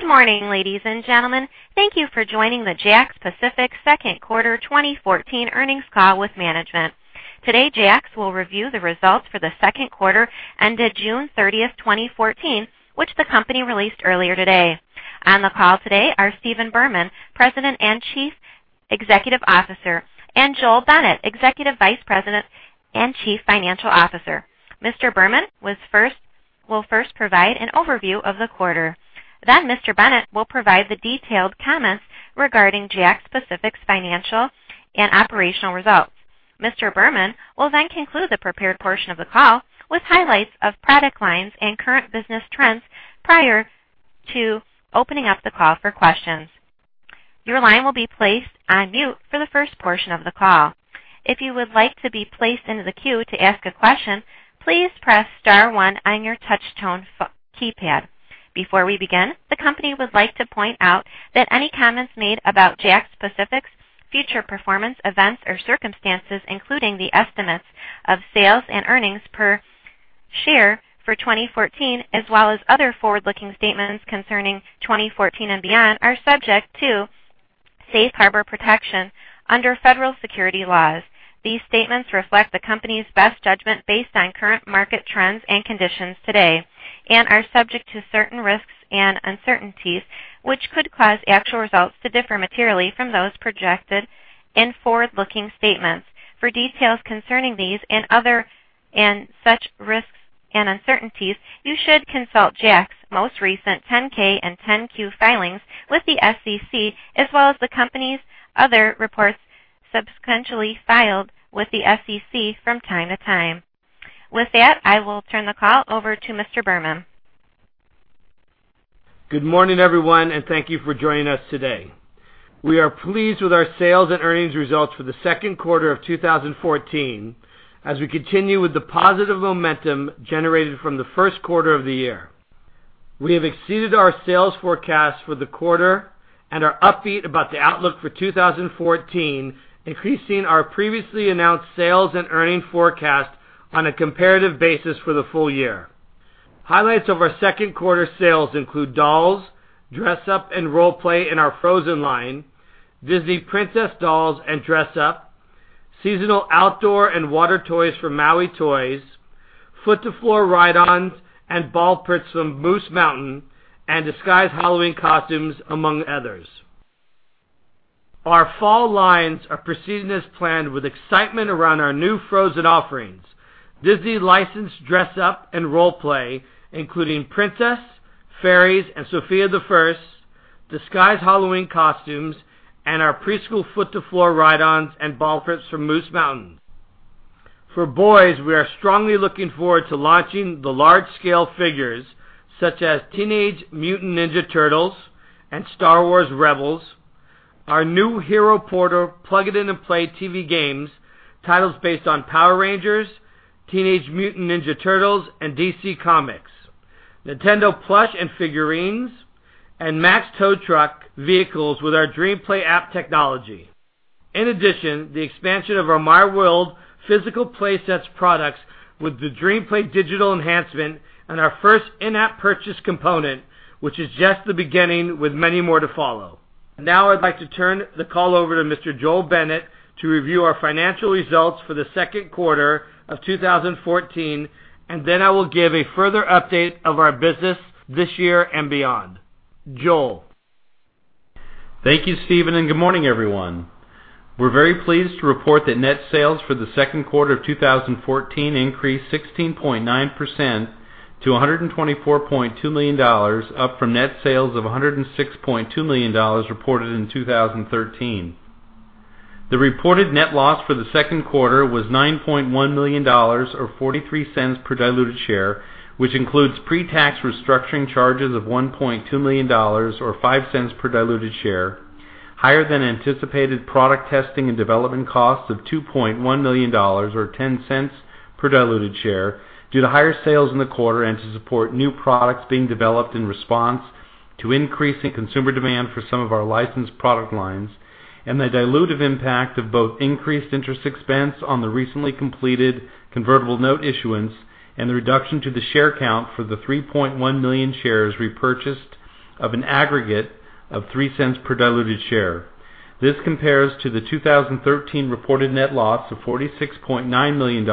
Good morning, ladies and gentlemen. Thank you for joining the JAKKS Pacific second quarter 2014 earnings call with management. Today, JAKKS will review the results for the second quarter ended June 30, 2014, which the company released earlier today. On the call today are Stephen Berman, President and Chief Executive Officer, and Joel Bennett, Executive Vice President and Chief Financial Officer. Mr. Berman will first provide an overview of the quarter. Mr. Bennett will then provide the detailed comments regarding JAKKS Pacific's financial and operational results. Mr. Berman will then conclude the prepared portion of the call with highlights of product lines and current business trends prior to opening up the call for questions. Your line will be placed on mute for the first portion of the call. If you would like to be placed into the queue to ask a question, please press *1 on your touch-tone keypad. Before we begin, the company would like to point out that any comments made about JAKKS Pacific's future performance, events, or circumstances, including the estimates of sales and earnings per share for 2014, as well as other forward-looking statements concerning 2014 and beyond, are subject to safe harbor protection under federal securities laws. These statements reflect the company's best judgment based on current market trends and conditions today and are subject to certain risks and uncertainties, which could cause actual results to differ materially from those projected in forward-looking statements. For details concerning these and such risks and uncertainties, you should consult JAKKS' most recent 10K and 10Q filings with the SEC as well as the company's other reports subsequently filed with the SEC from time to time. I will turn the call over to Mr. Berman. Good morning, everyone. Thank you for joining us today. We are pleased with our sales and earnings results for the second quarter of 2014 as we continue with the positive momentum generated from the first quarter of the year. We have exceeded our sales forecast for the quarter and are upbeat about the outlook for 2014, increasing our previously announced sales and earnings forecast on a comparative basis for the full year. Highlights of our second quarter sales include dolls, dress up, and role play in our Frozen line, Disney Princess dolls and dress up, seasonal outdoor and water toys from Maui, foot to floor ride-ons and ball pits from Moose Mountain, and Disguise Halloween costumes, among others. Our fall lines are proceeding as planned with excitement around our new Frozen offerings. Disney licensed dress up and role play, including Princess, Fairies, and Sofia the First, Disguise Halloween costumes, and our preschool foot to floor ride-ons and ball pits from Moose Mountain. For boys, we are strongly looking forward to launching the large-scale figures, such as Teenage Mutant Ninja Turtles and Star Wars Rebels. Our new Hero Portal plug it in and play TV games, titles based on Power Rangers, Teenage Mutant Ninja Turtles, and DC Comics, Nintendo plush and figurines, and Max Tow Truck vehicles with our DreamPlay app technology. The expansion of our miWorld physical playsets products with the DreamPlay digital enhancement and our first in-app purchase component, which is just the beginning with many more to follow. Now I'd like to turn the call over to Mr. Joel Bennett to review our financial results for the second quarter of 2014. Then I will give a further update of our business this year and beyond. Joel. Thank you, Stephen, and good morning, everyone. We're very pleased to report that net sales for the second quarter of 2014 increased 16.9% to $124.2 million, up from net sales of $106.2 million reported in 2013. The reported net loss for the second quarter was $9.1 million or $0.43 per diluted share, which includes pre-tax restructuring charges of $1.2 million or $0.05 per diluted share, higher-than-anticipated product testing and development costs of $2.1 million or $0.10 per diluted share due to higher sales in the quarter and to support new products being developed in response to increasing consumer demand for some of our licensed product lines, and the dilutive impact of both increased interest expense on the recently completed convertible note issuance and the reduction to the share count for the 3.1 million shares repurchased of an aggregate of $0.03 per diluted share. This compares to the 2013 reported net loss of $46.9 million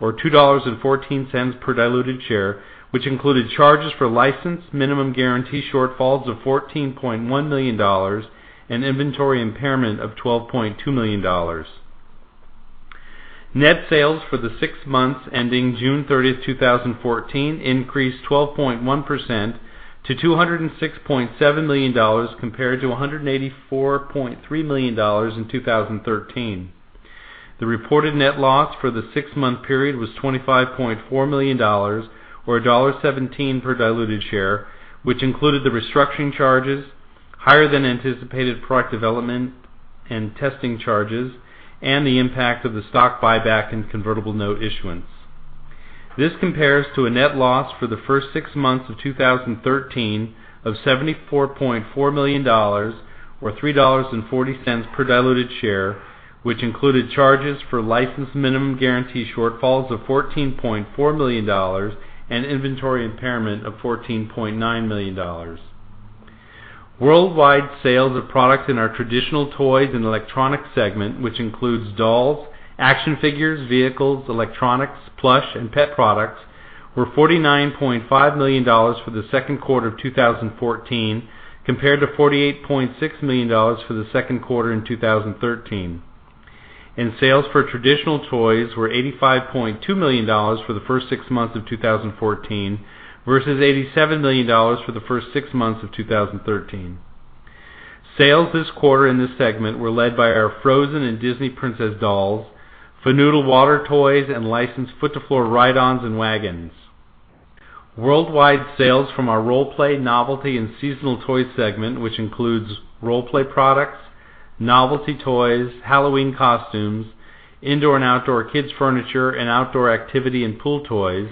or $2.14 per diluted share, which included charges for license minimum guarantee shortfalls of $14.1 million and inventory impairment of $12.2 million. Net sales for the six months ending June 30, 2014, increased 12.1% to $206.7 million compared to $184.3 million in 2013. The reported net loss for the six-month period was $25.4 million, or $1.17 per diluted share, which included the restructuring charges, higher-than-anticipated product development and testing charges, and the impact of the stock buyback and convertible note issuance. This compares to a net loss for the first six months of 2013 of $74.4 million, or $3.40 per diluted share, which included charges for license minimum guarantee shortfalls of $14.4 million and inventory impairment of $14.9 million. Worldwide sales of products in our Traditional Toys and Electronics segment, which includes dolls, action figures, vehicles, electronics, plush, and pet products, were $49.5 million for the second quarter of 2014, compared to $48.6 million for the second quarter in 2013. Sales for traditional toys were $85.2 million for the first six months of 2014 versus $87 million for the first six months of 2013. Sales this quarter in this segment were led by our "Frozen" and Disney Princess dolls, Funnoodle water toys, and licensed foot to floor ride-ons and wagons. Worldwide sales from our Role-Play, Novelty, and Seasonal Toy segment, which includes role-play products, novelty toys, Halloween costumes, indoor and outdoor kids furniture, and outdoor activity and pool toys,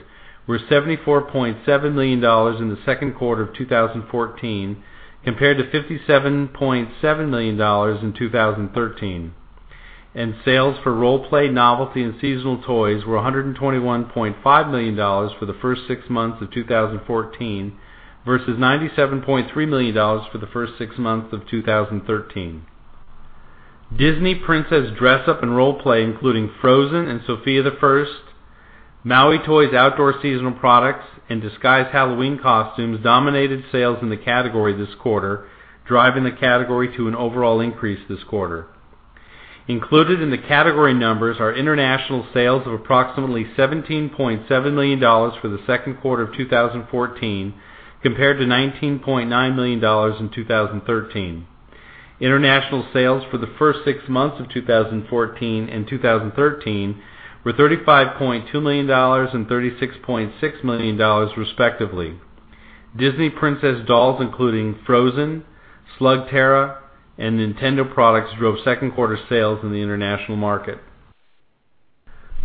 were $74.7 million in the second quarter of 2014 compared to $57.7 million in 2013. Sales for role-play, novelty, and seasonal toys were $121.5 million for the first six months of 2014 versus $97.3 million for the first six months of 2013. Disney Princess dress up and role play, including "Frozen" and "Sofia the First," Maui Toys outdoor seasonal products, and Disguise Halloween costumes dominated sales in the category this quarter, driving the category to an overall increase this quarter. Included in the category numbers are international sales of approximately $17.7 million for the second quarter of 2014 compared to $19.9 million in 2013. International sales for the first six months of 2014 and 2013 were $35.2 million and $36.6 million, respectively. Disney Princess dolls, including "Frozen," Slugterra, and Nintendo products, drove second quarter sales in the international market.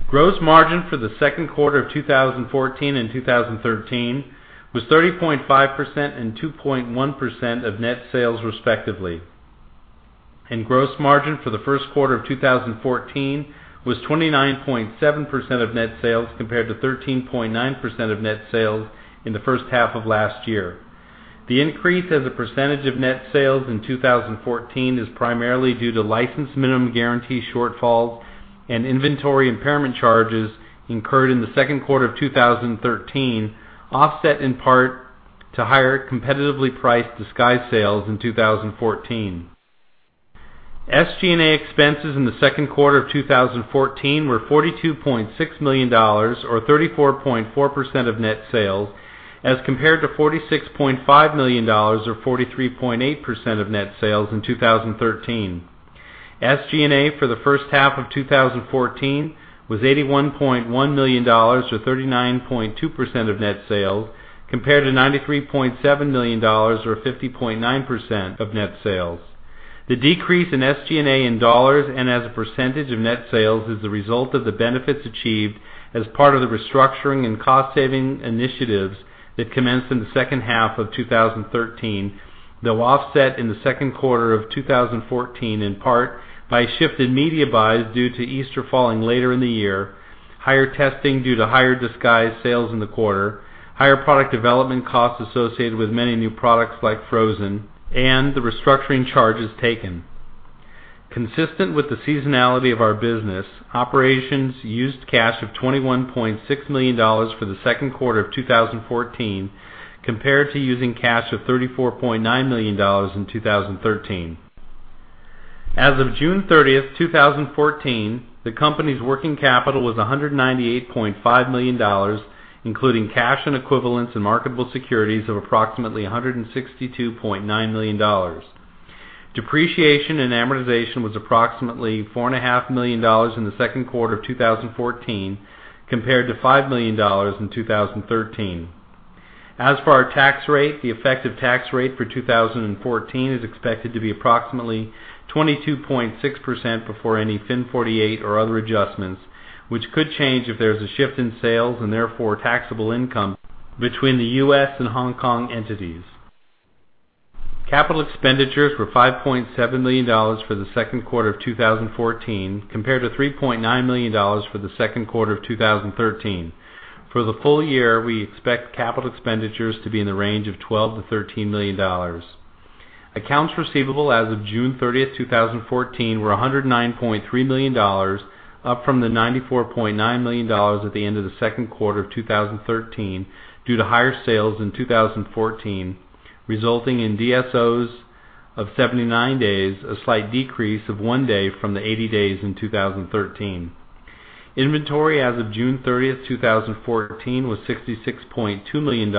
Gross margin for the second quarter of 2014 and 2013 was 30.5% and 2.1% of net sales, respectively. Gross margin for the first quarter of 2014 was 29.7% of net sales, compared to 13.9% of net sales in the first half of last year. The increase as a percentage of net sales in 2014 is primarily due to license minimum guarantee shortfalls and inventory impairment charges incurred in the second quarter of 2013, offset in part to higher competitively priced Disguise sales in 2014. SGA expenses in the second quarter of 2014 were $42.6 million, or 34.4% of net sales, as compared to $46.5 million, or 43.8% of net sales in 2013. SGA for the first half of 2014 was $81.1 million, or 39.2% of net sales, compared to $93.7 million, or 50.9% of net sales. The decrease in SGA in dollars and as a percentage of net sales is the result of the benefits achieved as part of the restructuring and cost-saving initiatives that commenced in the second half of 2013. Though offset in the second quarter of 2014, in part by a shift in media buys due to Easter falling later in the year, higher testing due to higher Disguise sales in the quarter, higher product development costs associated with many new products like "Frozen," and the restructuring charges taken. Consistent with the seasonality of our business, operations used cash of $21.6 million for the second quarter of 2014, compared to using cash of $34.9 million in 2013. As of June 30th, 2014, the company's working capital was $198.5 million, including cash and equivalents in marketable securities of approximately $162.9 million. Depreciation and amortization was approximately $4.5 million in the second quarter of 2014 compared to $5 million in 2013. As for our tax rate, the effective tax rate for 2014 is expected to be approximately 22.6% before any FIN 48 or other adjustments, which could change if there is a shift in sales and therefore taxable income between the U.S. and Hong Kong entities. Capital expenditures were $5.7 million for the second quarter of 2014 compared to $3.9 million for the second quarter of 2013. For the full year, we expect capital expenditures to be in the range of $12 million-$13 million. Accounts receivable as of June 30th, 2014 were $109.3 million, up from the $94.9 million at the end of the second quarter of 2013 due to higher sales in 2014, resulting in DSOs of 79 days, a slight decrease of one day from the 80 days in 2013. Inventory as of June 30th, 2014 was $66.2 million,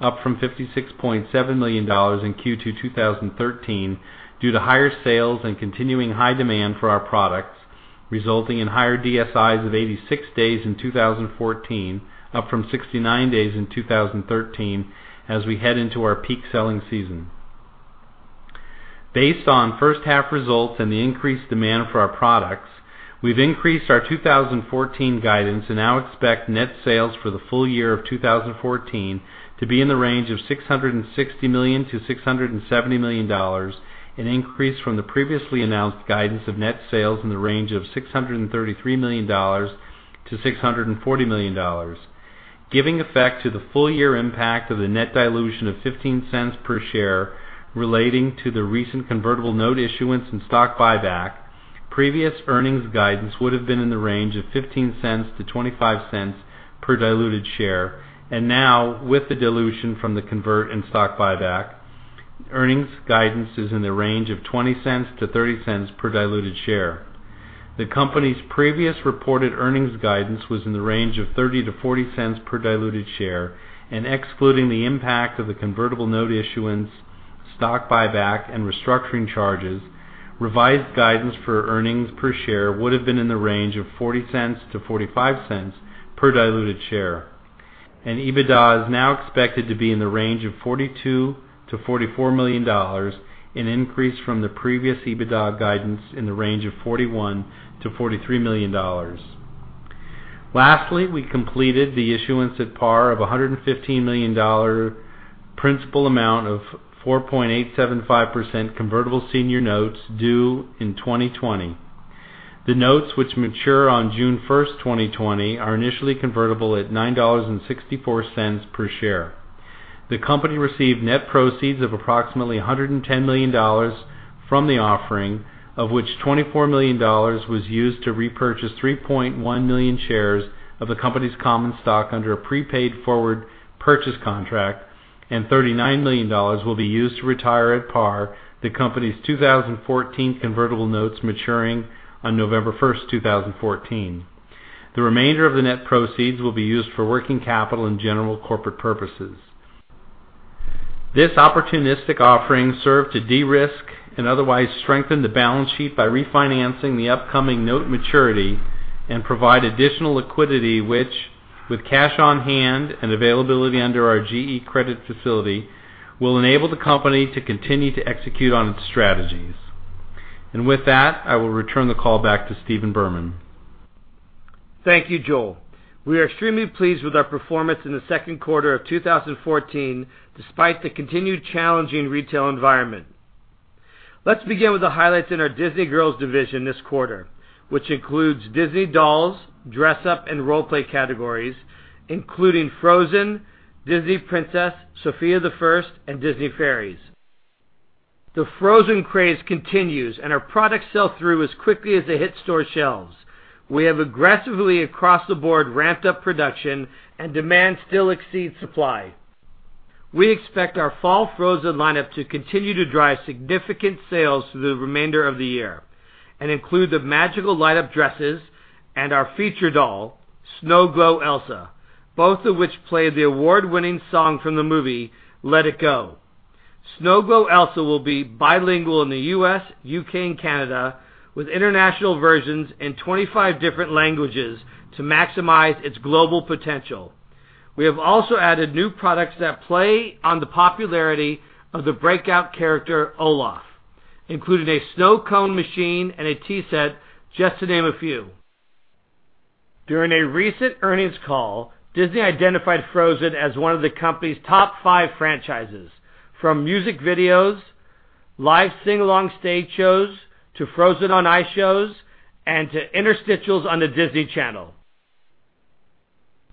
up from $56.7 million in Q2 2013 due to higher sales and continuing high demand for our products, resulting in higher DSIs of 86 days in 2014, up from 69 days in 2013 as we head into our peak selling season. Based on first half results and the increased demand for our products, we've increased our 2014 guidance and now expect net sales for the full year of 2014 to be in the range of $660 million to $670 million, an increase from the previously announced guidance of net sales in the range of $633 million to $640 million. Giving effect to the full year impact of the net dilution of $0.15 per share relating to the recent convertible note issuance and stock buyback, previous earnings guidance would've been in the range of $0.15 to $0.25 per diluted share. Now, with the dilution from the convert and stock buyback, earnings guidance is in the range of $0.20 to $0.30 per diluted share. The company's previous reported earnings guidance was in the range of $0.30 to $0.40 per diluted share, excluding the impact of the convertible note issuance, stock buyback, and restructuring charges, revised guidance for earnings per share would've been in the range of $0.40 to $0.45 per diluted share. EBITDA is now expected to be in the range of $42 million to $44 million, an increase from the previous EBITDA guidance in the range of $41 million to $43 million. Lastly, we completed the issuance at par of $115 million principal amount of 4.875% convertible senior notes due in 2020. The notes, which mature on June 1st, 2020, are initially convertible at $9.64 per share. The company received net proceeds of approximately $110 million from the offering, of which $24 million was used to repurchase 3.1 million shares of the company's common stock under a prepaid forward purchase contract, $39 million will be used to retire at par the company's 2014 convertible notes maturing on November 1st, 2014. The remainder of the net proceeds will be used for working capital and general corporate purposes. This opportunistic offering served to de-risk and otherwise strengthen the balance sheet by refinancing the upcoming note maturity and provide additional liquidity, which, with cash on hand and availability under our GE credit facility, will enable the company to continue to execute on its strategies. With that, I will return the call back to Stephen Berman. Thank you, Joel. We are extremely pleased with our performance in the second quarter of 2014, despite the continued challenging retail environment. Let's begin with the highlights in our Disney Girls division this quarter, which includes Disney dolls, dress up, and role play categories, including Frozen, Disney Princess, Sofia the First, and Disney Fairies. The Frozen craze continues, and our products sell through as quickly as they hit store shelves. We have aggressively across the board ramped up production and demand still exceeds supply. We expect our fall Frozen lineup to continue to drive significant sales through the remainder of the year and include the magical light-up dresses and our featured doll, Snow Glow Elsa, both of which play the award-winning song from the movie, "Let It Go." Snow Glow Elsa will be bilingual in the U.S., U.K., and Canada, with international versions in 25 different languages to maximize its global potential. We have also added new products that play on the popularity of the breakout character, Olaf, including a snow cone machine and a tea set, just to name a few. During a recent earnings call, Disney identified Frozen as one of the company's top five franchises, from music videos, live sing-along stage shows, to Frozen on Ice shows, and to interstitials on the Disney Channel.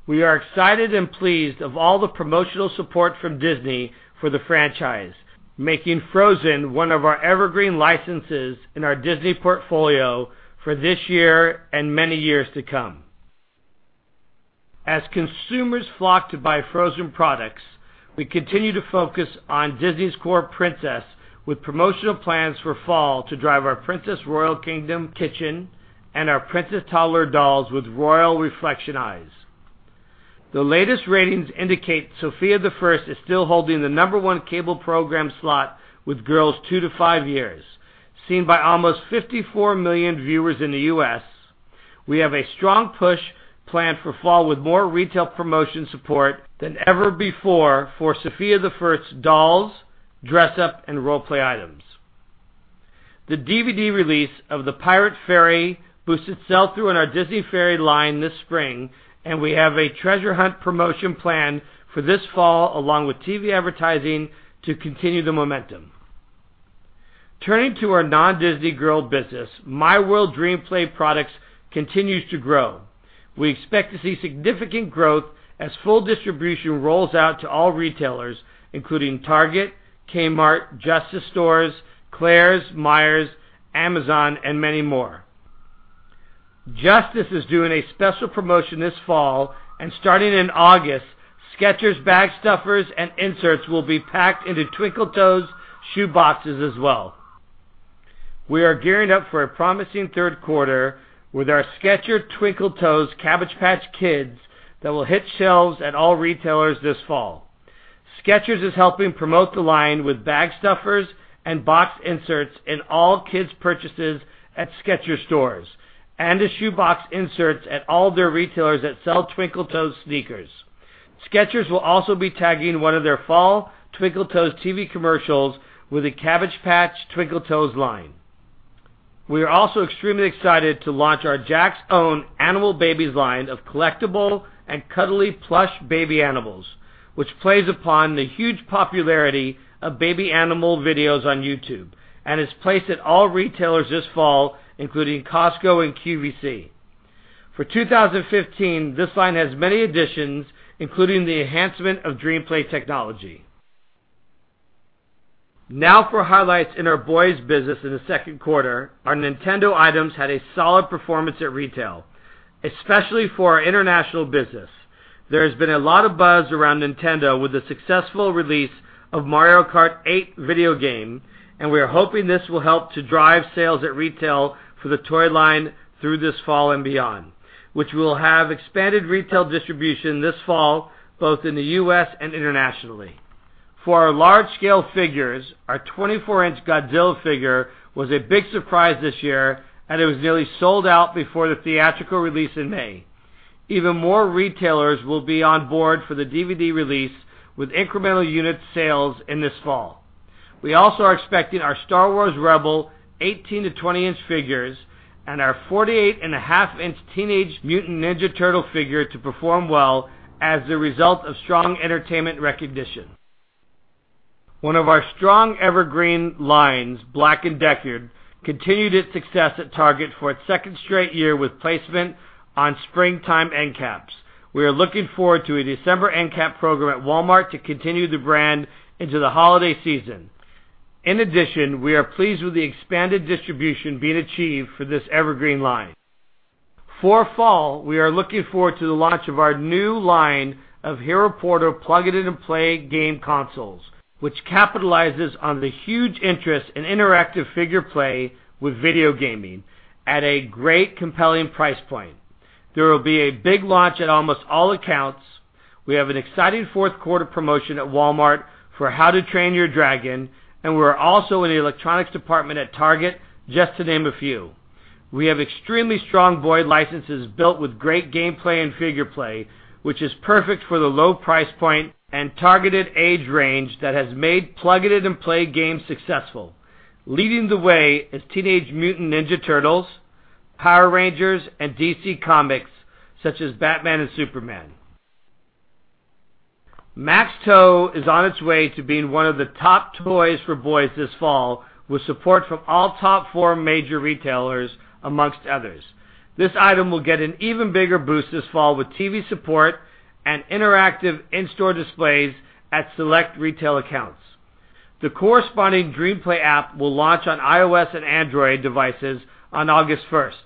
We are excited and pleased of all the promotional support from Disney for the franchise, making Frozen one of our evergreen licenses in our Disney portfolio for this year and many years to come. As consumers flock to buy Frozen products, we continue to focus on Disney's core princess with promotional plans for fall to drive our Royal Kingdom Kitchen and Cafe and our Princess toddler dolls with royal reflection eyes. The latest ratings indicate Sofia the First is still holding the number 1 cable program slot with girls two to five years, seen by almost 54 million viewers in the U.S. We have a strong push planned for fall with more retail promotion support than ever before for Sofia the First dolls, dress up, and role play items. The DVD release of The Pirate Fairy boosted sell-through on our Disney Fairies line this spring, and we have a treasure hunt promotion planned for this fall, along with TV advertising to continue the momentum. Turning to our non-Disney girl business, miWorld DreamPlay products continues to grow. We expect to see significant growth as full distribution rolls out to all retailers, including Target, Kmart, Justice, Claire's, Meijer, Amazon, and many more. Justice is doing a special promotion this fall, and starting in August, Skechers bag stuffers and inserts will be packed into Twinkle Toes shoe boxes as well. We are gearing up for a promising third quarter with our Skechers Twinkle Toes Cabbage Patch Kids that will hit shelves at all retailers this fall. Skechers is helping promote the line with bag stuffers and box inserts in all kids purchases at Skechers stores and as shoe box inserts at all their retailers that sell Twinkle Toes sneakers. Skechers will also be tagging one of their fall Twinkle Toes TV commercials with a Cabbage Patch Twinkle Toes line. We are also extremely excited to launch our JAKKS Own Animal Babies line of collectible and cuddly plush baby animals, which plays upon the huge popularity of baby animal videos on YouTube and is placed at all retailers this fall, including Costco and QVC. For 2015, this line has many additions, including the enhancement of DreamPlay technology. Now for highlights in our boys business in the second quarter, our Nintendo items had a solid performance at retail, especially for our international business. There has been a lot of buzz around Nintendo with the successful release of "Mario Kart 8" video game. We are hoping this will help to drive sales at retail for the toy line through this fall and beyond, which will have expanded retail distribution this fall, both in the U.S. and internationally. For our large-scale figures, our 24-inch Godzilla figure was a big surprise this year, and it was nearly sold out before the theatrical release in May. Even more retailers will be on board for the DVD release with incremental unit sales in this fall. We also are expecting our "Star Wars Rebels" 18- to 20-inch figures and our 48.5-inch Teenage Mutant Ninja Turtles figure to perform well as the result of strong entertainment recognition. One of our strong evergreen lines, Black & Decker, continued its success at Target for its second straight year with placement on springtime end caps. We are looking forward to a December end cap program at Walmart to continue the brand into the holiday season. In addition, we are pleased with the expanded distribution being achieved for this evergreen line. For fall, we are looking forward to the launch of our new line of Hero Portal plug-and-play game consoles, which capitalizes on the huge interest in interactive figure play with video gaming at a great compelling price point. There will be a big launch at almost all accounts. We have an exciting fourth quarter promotion at Walmart for "How to Train Your Dragon." We are also in the electronics department at Target, just to name a few. We have extremely strong boy licenses built with great gameplay and figure play, which is perfect for the low price point and targeted age range that has made plug-and-play games successful. Leading the way is Teenage Mutant Ninja Turtles, Power Rangers, and DC Comics such as Batman and Superman. Max Tow is on its way to being one of the top toys for boys this fall, with support from all top four major retailers, amongst others. This item will get an even bigger boost this fall with TV support and interactive in-store displays at select retail accounts. The corresponding DreamPlay app will launch on iOS and Android devices on August 1st.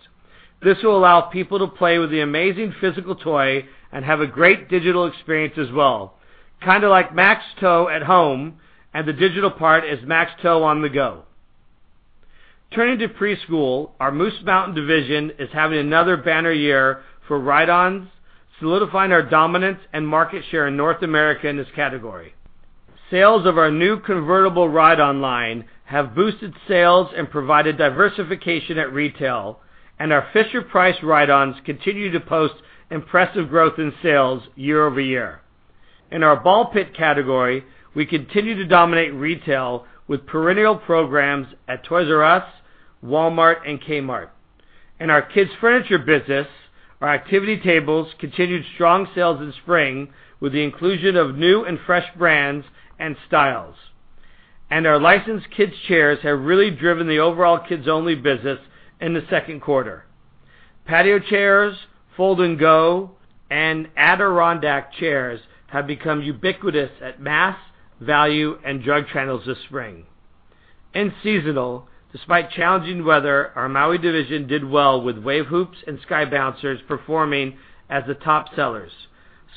This will allow people to play with the amazing physical toy and have a great digital experience as well. Kind of like Max Tow at home and the digital part is Max Tow on the go. Turning to preschool, our Moose Mountain division is having another banner year for ride-ons, solidifying our dominance and market share in North America in this category. Sales of our new convertible ride-on line have boosted sales and provided diversification at retail, and our Fisher-Price ride-ons continue to post impressive growth in sales year-over-year. In our ball pit category, we continue to dominate retail with perennial programs at Toys R Us, Walmart, and Kmart. In our kids furniture business, our activity tables continued strong sales in spring with the inclusion of new and fresh brands and styles. Our licensed kids chairs have really driven the overall Kids Only! business in the second quarter. Patio chairs, fold-and-go, and Adirondack chairs have become ubiquitous at mass, value, and drug channels this spring. In seasonal, despite challenging weather, our Maui division did well with Wave Hoops and Sky Bouncers performing as the top sellers.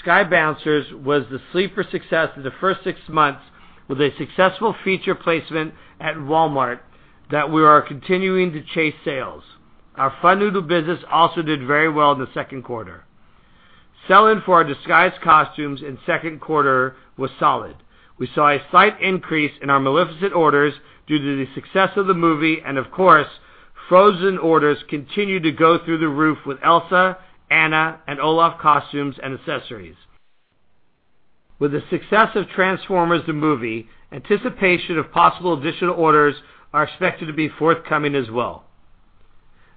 Sky Bouncers was the sleeper success of the first six months with a successful feature placement at Walmart that we are continuing to chase sales. Our Funnoodle business also did very well in the second quarter. Sell-in for our Disguise costumes in second quarter was solid. We saw a slight increase in our Maleficent orders due to the success of the movie, and of course, Frozen orders continued to go through the roof with Elsa, Anna, and Olaf costumes and accessories. With the success of Transformers the movie, anticipation of possible additional orders are expected to be forthcoming as well.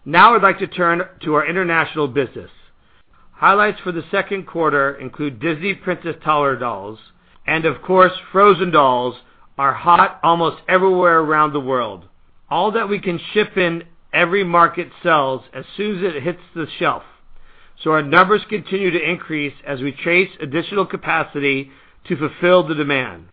Now I'd like to turn to our international business. Highlights for the second quarter include Disney Princess taller dolls and, of course, Frozen dolls are hot almost everywhere around the world. All that we can ship in every market sells as soon as it hits the shelf. Our numbers continue to increase as we chase additional capacity to fulfill the demand.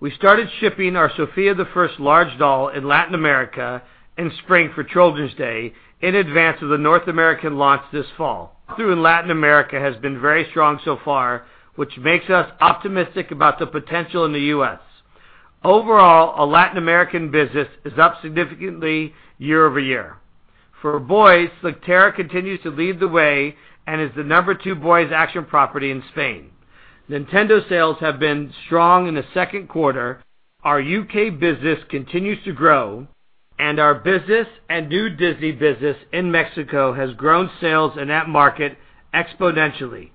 We started shipping our Sofia the First large doll in Latin America in spring for Children's Day in advance of the North American launch this fall. Through Latin America has been very strong so far, which makes us optimistic about the potential in the U.S. Overall, our Latin American business is up significantly year-over-year. For boys, Slugterra continues to lead the way and is the number 2 boys action property in Spain. Nintendo sales have been strong in the second quarter. Our U.K. business continues to grow, our business and new Disney business in Mexico has grown sales in that market exponentially.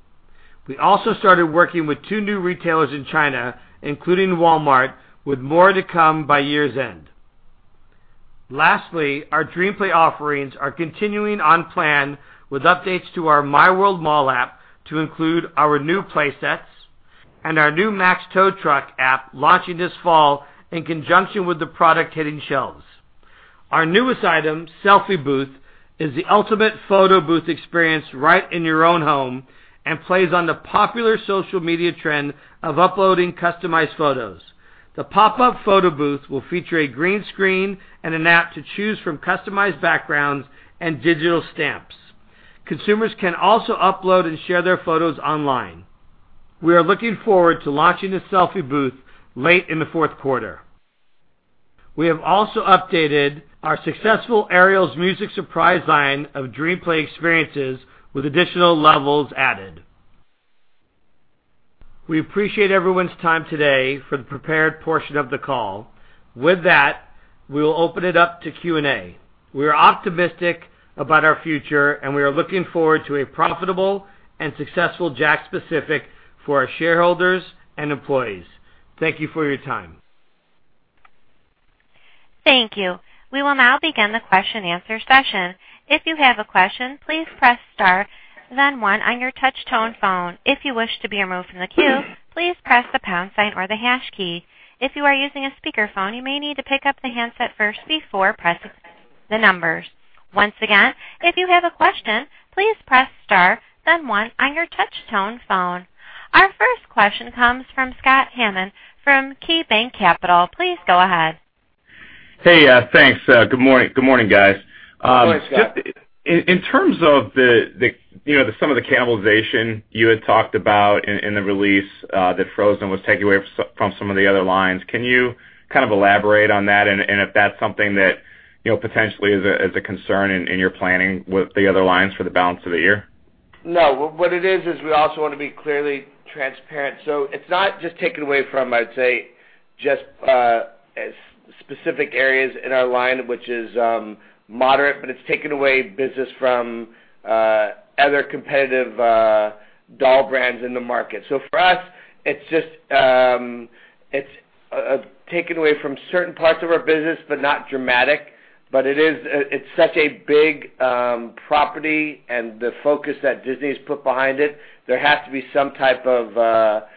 We also started working with two new retailers in China, including Walmart, with more to come by year's end. Lastly, our DreamPlay offerings are continuing on plan with updates to our miWorld Mall app to include our new play sets and our new Max Tow Truck app launching this fall in conjunction with the product hitting shelves. Our newest item, Selfie Booth, is the ultimate photo booth experience right in your own home and plays on the popular social media trend of uploading customized photos. The pop-up photo booth will feature a green screen and an app to choose from customized backgrounds and digital stamps. Consumers can also upload and share their photos online. We are looking forward to launching this Selfie Booth late in the fourth quarter. We have also updated our successful Ariel's Musical Surprise line of DreamPlay experiences with additional levels added. We appreciate everyone's time today for the prepared portion of the call. With that, we will open it up to Q&A. We are optimistic about our future, and we are looking forward to a profitable and successful JAKKS Pacific for our shareholders and employees. Thank you for your time. Thank you. We will now begin the question answer session. If you have a question, please press star then one on your touch-tone phone. If you wish to be removed from the queue, please press the pound sign or the hash key. If you are using a speakerphone, you may need to pick up the handset first before pressing the numbers. Once again, if you have a question, please press star then one on your touch-tone phone. Our first question comes from Scott Hammond from KeyBanc Capital Markets. Please go ahead. Hey. Thanks. Good morning, guys. Good morning, Scott. Just in terms of some of the cannibalization you had talked about in the release, that Frozen was taking away from some of the other lines, can you kind of elaborate on that? If that's something that potentially is a concern in your planning with the other lines for the balance of the year? No. What it is we also want to be clearly transparent. It's not just taken away from, I'd say, just specific areas in our line, which is moderate, but it's taken away business from other competitive doll brands in the market. For us, it's taken away from certain parts of our business, not dramatic. It's such a big property, and the focus that Disney's put behind it, there has to be some type of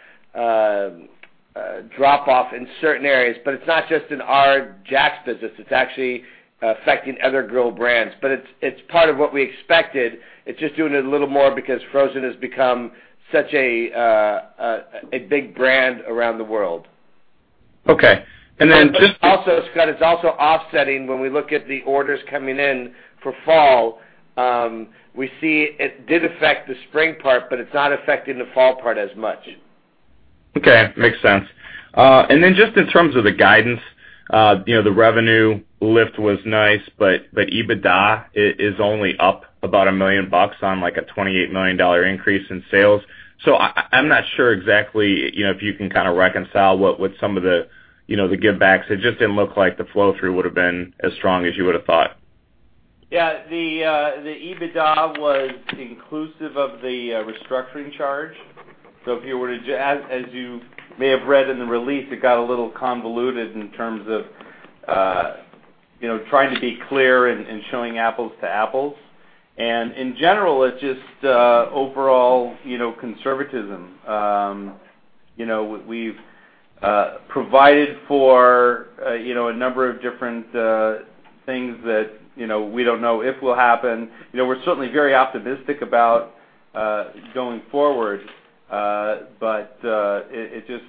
drop-off in certain areas. It's not just in our JAKKS business, it's actually affecting other girl brands. It's part of what we expected. It's just doing it a little more because Frozen has become such a big brand around the world. Okay. Also, Scott, it's also offsetting when we look at the orders coming in for fall. We see it did affect the spring part, but it's not affecting the fall part as much. Okay. Makes sense. Just in terms of the guidance, the revenue lift was nice, EBITDA is only up about $1 million bucks on, like, a $28 million increase in sales. I'm not sure exactly if you can kind of reconcile what some of the give backs. It just didn't look like the flow-through would've been as strong as you would've thought. Yeah. The EBITDA was inclusive of the restructuring charge. As you may have read in the release, it got a little convoluted in terms of trying to be clear and showing apples to apples. In general, it's just overall conservatism. We've provided for a number of different things that we don't know if will happen. We're certainly very optimistic about going forward. It just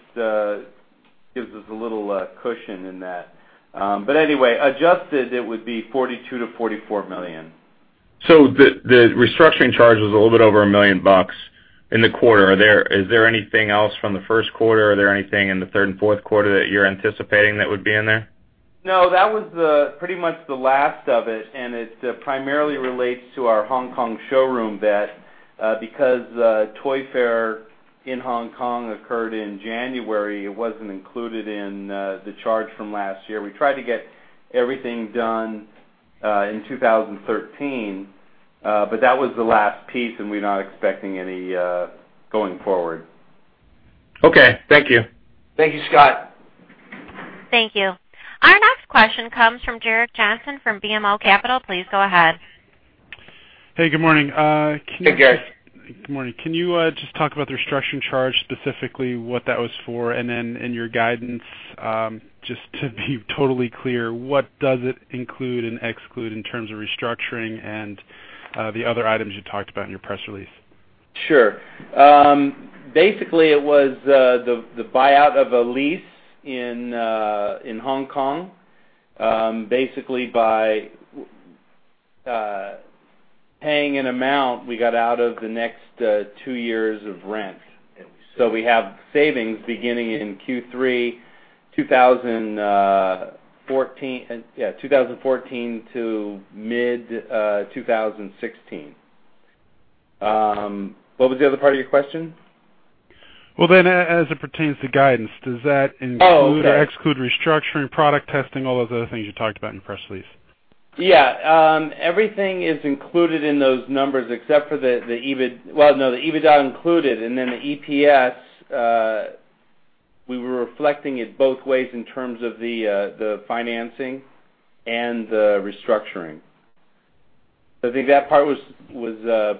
gives us a little cushion in that. Anyway, adjusted, it would be $42 million-$44 million. The restructuring charge was a little bit over $1 million bucks in the quarter. Is there anything else from the first quarter? Is there anything in the third and fourth quarter that you're anticipating that would be in there? No, that was pretty much the last of it. It primarily relates to our Hong Kong showroom that because Toy Fair in Hong Kong occurred in January, it wasn't included in the charge from last year. We tried to get everything done in 2013, that was the last piece, we're not expecting any going forward. Okay. Thank you. Thank you, Scott. Thank you. Our next question comes from Gerrick Johnson from BMO Capital. Please go ahead. Hey, good morning. Hey, Gerrick. Good morning. Can you just talk about the restructuring charge, specifically what that was for? Then in your guidance, just to be totally clear, what does it include and exclude in terms of restructuring and the other items you talked about in your press release? Sure. Basically, it was the buyout of a lease in Hong Kong. Basically, by paying an amount we got out of the next two years of rent. We have savings beginning in Q3 2014 to mid-2016. What was the other part of your question? Well, then as it pertains to guidance, does that include. Oh, okay Exclude restructuring, product testing, all of the other things you talked about in your press release? Yeah. Everything is included in those numbers except for the EBITDA. Well, no, the EBITDA included, the EPS We were reflecting it both ways in terms of the financing and the restructuring. I think that part was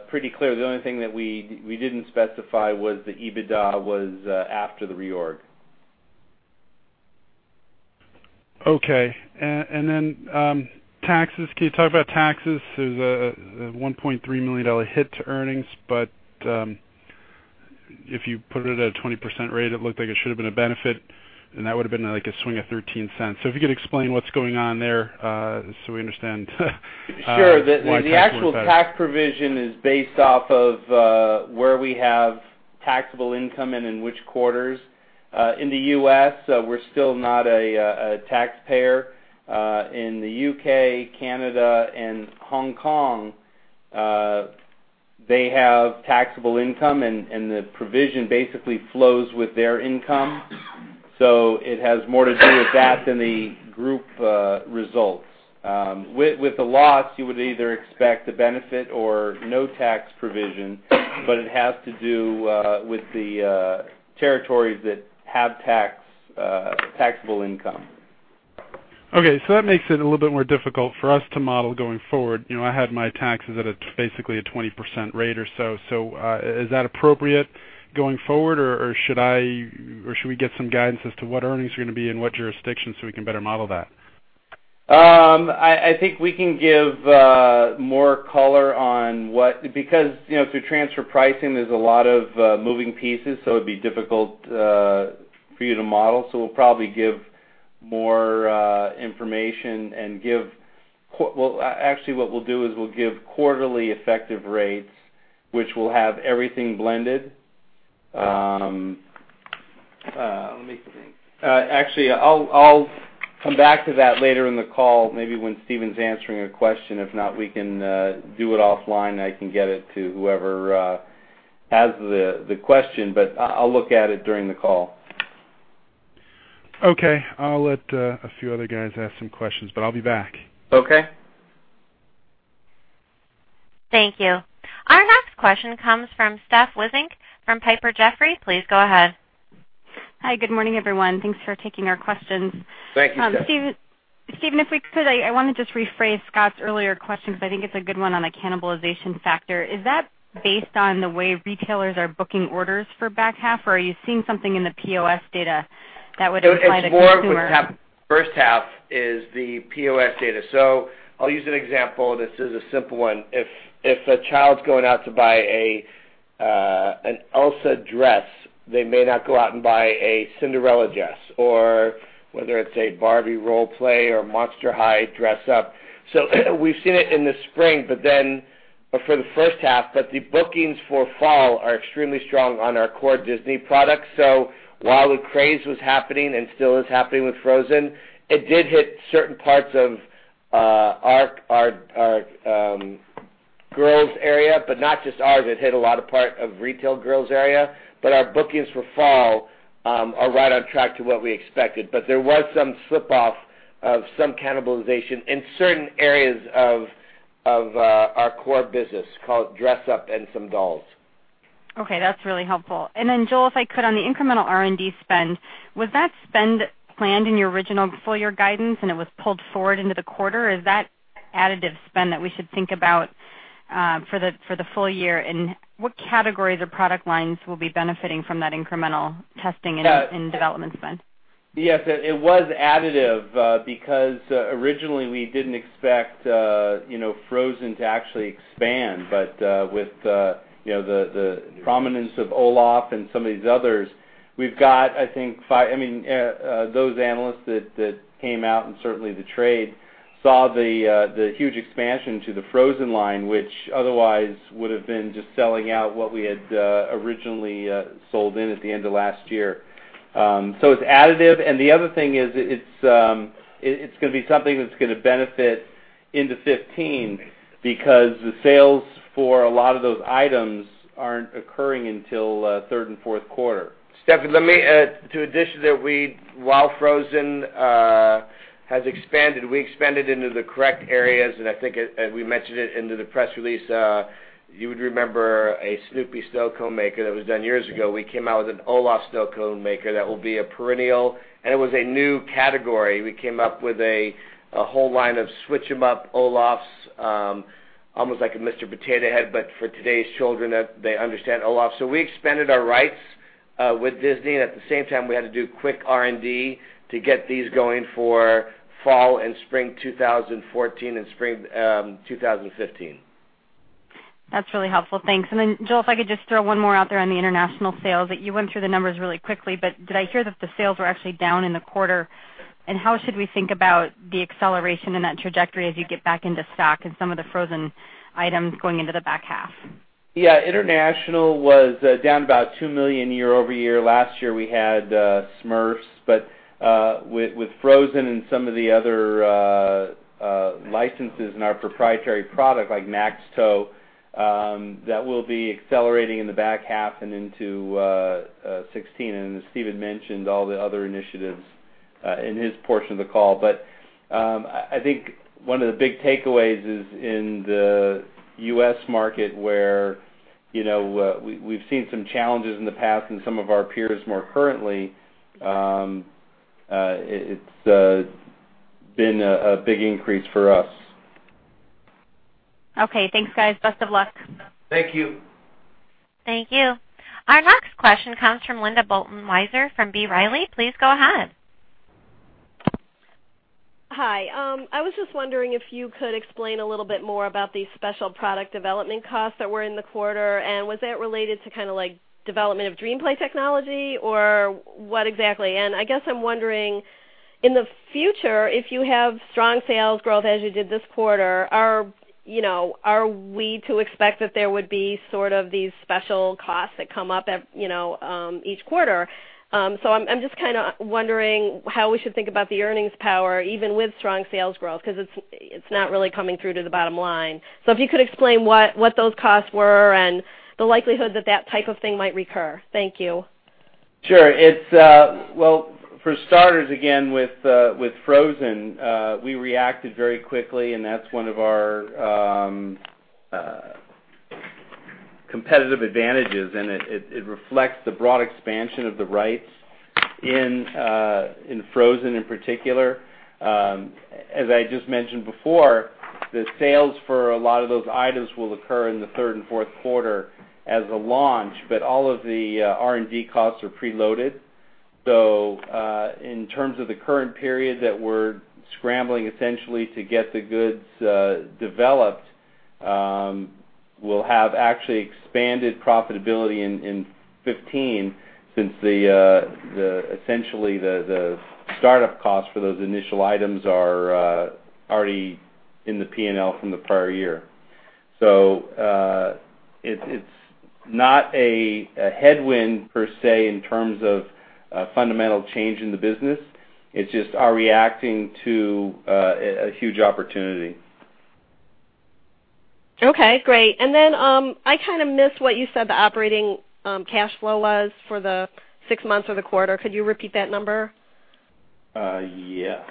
pretty clear. The only thing that we didn't specify was the EBITDA was after the reorg. Okay. Taxes, can you talk about taxes? There's a $1.3 million hit to earnings, but if you put it at a 20% rate, it looked like it should've been a benefit, and that would've been a swing of $0.13. If you could explain what's going on there, so we understand why taxes were better. Sure. The actual tax provision is based off of where we have taxable income and in which quarters. In the U.S., we're still not a taxpayer. In the U.K., Canada, and Hong Kong, they have taxable income, and the provision basically flows with their income. It has more to do with that than the group results. With the loss, you would either expect a benefit or no tax provision, but it has to do with the territories that have taxable income. Okay, that makes it a little bit more difficult for us to model going forward. I had my taxes at basically a 20% rate or so. Is that appropriate going forward, or should we get some guidance as to what earnings are going to be in what jurisdiction so we can better model that? I think we can give more color on what. Through transfer pricing, there's a lot of moving pieces, so it'd be difficult for you to model. We'll probably give more information and give, well, actually what we'll do is we'll give quarterly effective rates, which will have everything blended. Let me think. Actually, I'll come back to that later in the call, maybe when Stephen's answering a question. If not, we can do it offline, and I can get it to whoever has the question. I'll look at it during the call. Okay. I'll let a few other guys ask some questions. I'll be back. Okay. Thank you. Our next question comes from Stephanie Wissink from Piper Jaffray. Please go ahead. Hi. Good morning, everyone. Thanks for taking our questions. Thank you, Steph. Stephen, if we could, I want to just rephrase Scott's earlier question because I think it's a good one on the cannibalization factor. Is that based on the way retailers are booking orders for back half, or are you seeing something in the POS data that would imply the consumer- It's more of what happened first half is the POS data. I'll use an example. This is a simple one. If a child's going out to buy an Elsa dress, they may not go out and buy a Cinderella dress, or whether it's a Barbie role play or Monster High dress up. We've seen it in the spring, for the first half, the bookings for fall are extremely strong on our core Disney products. While the craze was happening and still is happening with "Frozen," it did hit certain parts of our girls' area, not just ours. It hit a lot of part of retail girls' area. Our bookings for fall are right on track to what we expected. There was some slip off of some cannibalization in certain areas of our core business, called dress up and some dolls. Okay, that's really helpful. Joel, if I could, on the incremental R&D spend, was that spend planned in your original full year guidance and it was pulled forward into the quarter? Is that additive spend that we should think about for the full year, and what categories or product lines will be benefiting from that incremental testing and development spend? Yes, it was additive because originally, we didn't expect "Frozen" to actually expand. With the prominence of Olaf and some of these others, we've got, I think, those analysts that came out, and certainly the trade, saw the huge expansion to the Frozen line, which otherwise would've been just selling out what we had originally sold in at the end of last year. It's additive, and the other thing is it's going to be something that's going to benefit into 2015 because the sales for a lot of those items aren't occurring until third and fourth quarter. Steph, let me add to addition that while "Frozen" has expanded, we expanded into the correct areas, and I think as we mentioned it into the press release, you would remember a Snoopy Sno-Cone Machine that was done years ago. We came out with an Olaf Sno-Cone Machine that will be a perennial, and it was a new category. We came up with a whole line of switch them up Olafs, almost like a Mr. Potato Head, but for today's children that they understand Olaf. We expanded our rights with Disney, and at the same time, we had to do quick R&D to get these going for fall and spring 2014 and spring 2015. That's really helpful. Thanks. Joel, if I could just throw one more out there on the international sales. You went through the numbers really quickly, but did I hear that the sales were actually down in the quarter? How should we think about the acceleration in that trajectory as you get back into stock and some of the Frozen items going into the back half? Yeah. International was down about $2 million year-over-year. Last year, we had Smurfs, but with Frozen and some of the other licenses in our proprietary product like Max Tow, that will be accelerating in the back half and into 2016. As Stephen mentioned, all the other initiatives in his portion of the call. I think one of the big takeaways is in the U.S. market where we've seen some challenges in the past and some of our peers more currently, it's been a big increase for us. Okay, thanks, guys. Best of luck. Thank you. Thank you. Our next question comes from Linda Bolton-Weiser, from B. Riley. Please go ahead. Hi. I was just wondering if you could explain a little bit more about the special product development costs that were in the quarter, was that related to development of DreamPlay technology or what exactly? I guess I'm wondering, in the future, if you have strong sales growth as you did this quarter, are we to expect that there would be sort of these special costs that come up, each quarter? I'm just kind of wondering how we should think about the earnings power, even with strong sales growth, because it's not really coming through to the bottom line. If you could explain what those costs were and the likelihood that type of thing might recur. Thank you. Sure. Well, for starters again, with Frozen, we reacted very quickly, and that's one of our competitive advantages, and it reflects the broad expansion of the rights in Frozen in particular. As I just mentioned before, the sales for a lot of those items will occur in the third and fourth quarter as a launch. All of the R&D costs are pre-loaded. In terms of the current period that we're scrambling essentially to get the goods developed, we'll have actually expanded profitability in 2015 since essentially the startup costs for those initial items are already in the P&L from the prior year. It's not a headwind per se in terms of fundamental change in the business. It's just our reacting to a huge opportunity. Okay, great. Then, I kind of missed what you said the operating cash flow was for the six months of the quarter. Could you repeat that number? Yes.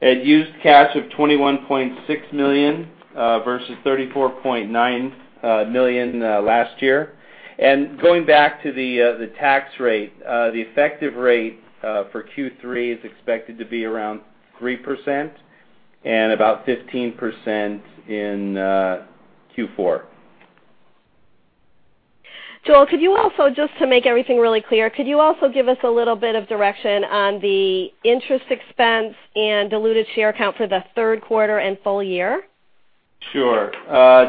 It used cash of $21.6 million, versus $34.9 million last year. Going back to the tax rate, the effective rate for Q3 is expected to be around 3% and about 15% in Q4. Joel, just to make everything really clear, could you also give us a little bit of direction on the interest expense and diluted share count for the third quarter and full year? Sure.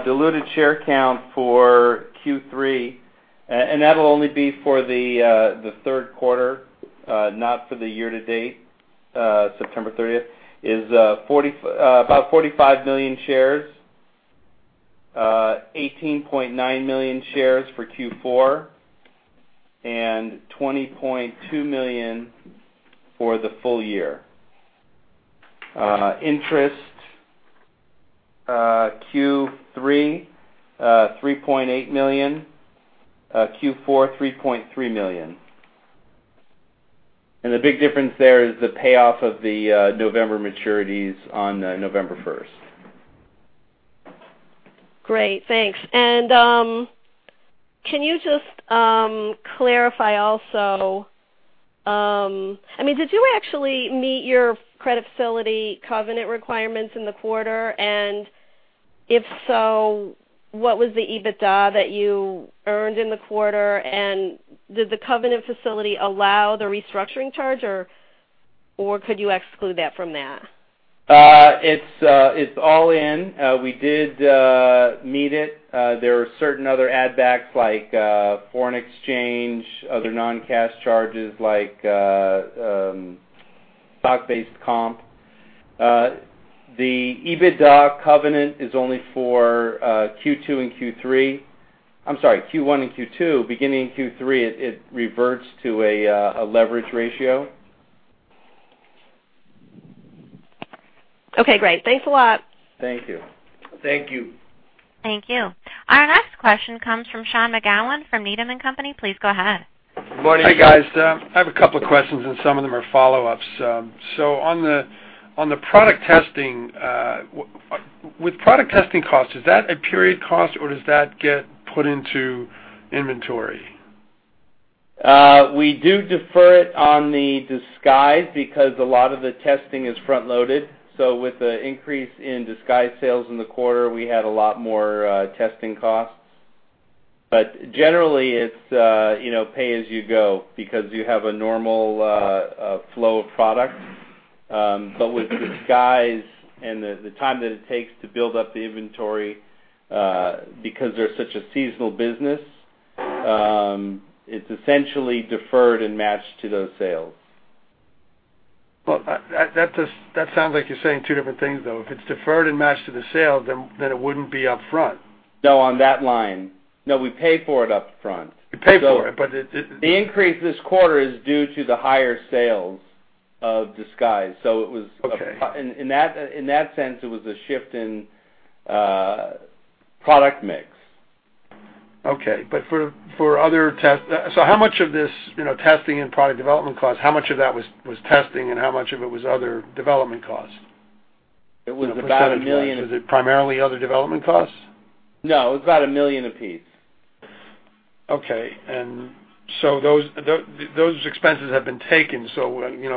Diluted share count for Q3, and that'll only be for the third quarter, not for the year to date, September 30th, is about 45 million shares. 18.9 million shares for Q4, and 20.2 million for the full year. Interest, Q3, 3.8 million. Q4, 3.3 million. The big difference there is the payoff of the November maturities on November 1st. Great. Thanks. Can you just clarify also, did you actually meet your credit facility covenant requirements in the quarter? If so, what was the EBITDA that you earned in the quarter, and did the covenant facility allow the restructuring charge, or could you exclude that from that? It's all in. We did meet it. There are certain other add backs, like foreign exchange, other non-cash charges like stock-based comp. The EBITDA covenant is only for Q2 and Q3 I'm sorry, Q1 and Q2. Beginning in Q3, it reverts to a leverage ratio. Okay, great. Thanks a lot. Thank you. Thank you. Our next question comes from Sean McGowan from Needham & Company. Please go ahead. Good morning. Hi guys. I have a couple of questions and some of them are follow-ups. On the product testing, with product testing costs, is that a period cost or does that get put into inventory? We do defer it on the Disguise because a lot of the testing is front-loaded. With the increase in Disguise sales in the quarter, we had a lot more testing costs. Generally, it's pay as you go because you have a normal flow of product. With Disguise and the time that it takes to build up the inventory, because they're such a seasonal business, it's essentially deferred and matched to those sales. That sounds like you're saying two different things, though. If it's deferred and matched to the sale, then it wouldn't be upfront. No, on that line. No, we pay for it upfront. You pay for it. The increase this quarter is due to the higher sales Of Disguise. Okay. In that sense, it was a shift in product mix. Okay. How much of this testing and product development cost, how much of that was testing and how much of it was other development costs? It was about $1 million. Is it primarily other development costs? No, it was about $1 million apiece. Okay. Those expenses have been taken.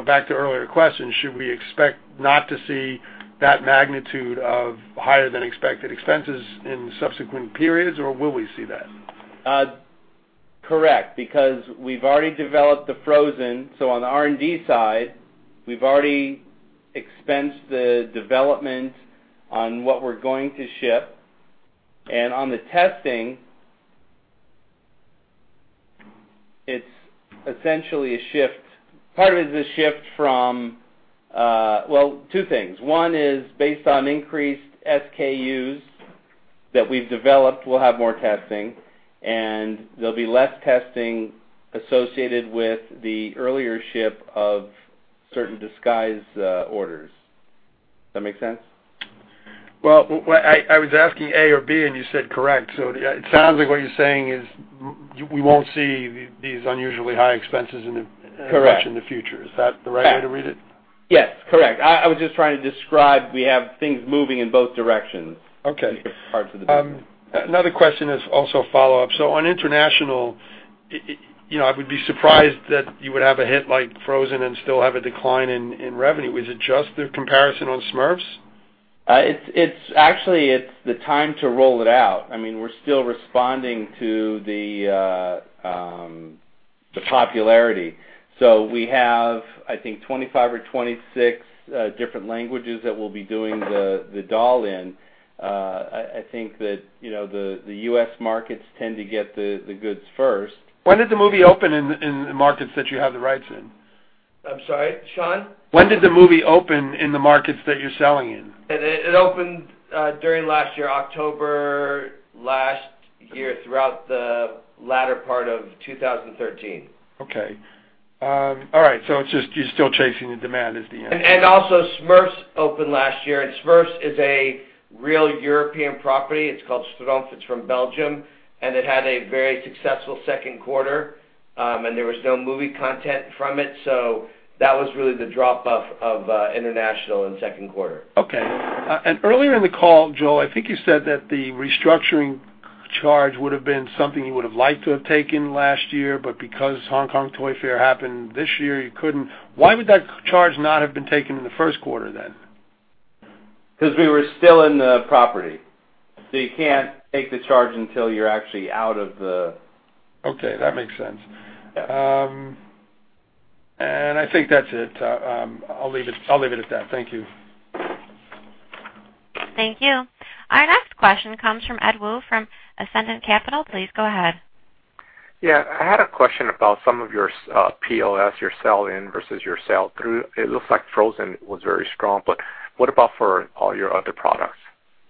Back to earlier questions, should we expect not to see that magnitude of higher than expected expenses in subsequent periods, or will we see that? Correct, because we've already developed the Frozen. On the R&D side, we've already expensed the development on what we're going to ship. On the testing, it's essentially a shift. Part of it is a shift from, well, two things. One is based on increased SKUs that we've developed, we'll have more testing, and there'll be less testing associated with the earlier ship of certain Disguise orders. Does that make sense? Well, I was asking A or B, you said correct. It sounds like what you're saying is we won't see these unusually high expenses Correct much in the future? Is that the right way to read it? Yes, correct. I was just trying to describe we have things moving in both directions. Okay. Different parts of the business. Another question is also a follow-up. On international, I would be surprised that you would have a hit like Frozen and still have a decline in revenue. Is it just the comparison on The Smurfs? Actually, it's the time to roll it out. We're still responding to the popularity. We have, I think, 25 or 26 different languages that we'll be doing the doll in. I think that the U.S. markets tend to get the goods first. When did the movie open in the markets that you have the rights in? I'm sorry, Sean? When did the movie open in the markets that you're selling in? It opened during last year, October last year, throughout the latter part of 2013. Okay. All right, you're still chasing the demand is the answer. Also Smurfs opened last year, Smurfs is a real European property. It's called "Schtroumpfs." It's from Belgium, it had a very successful second quarter. There was no movie content from it, so that was really the drop-off of international in second quarter. Okay. Earlier in the call, Joel, I think you said that the restructuring charge would have been something you would have liked to have taken last year, because Hong Kong Toy Fair happened this year, you couldn't. Why would that charge not have been taken in the first quarter, then? Because we were still in the property. You can't take the charge until you're actually. Okay, that makes sense. I think that's it. I'll leave it at that. Thank you. Thank you. Our next question comes from Edward Woo from Ascendiant Capital Markets. Please go ahead. I had a question about some of your POS, your sell-in versus your sell-through. It looks like Frozen was very strong, what about for all your other products?